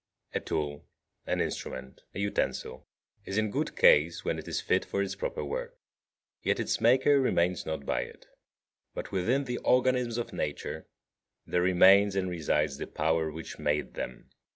40. A tool, an instrument, a utensil, is in good case when it is fit for its proper work: yet its maker remains not by it. But within the organisms of Nature there remains and resides the power which made them.